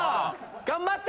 頑張って！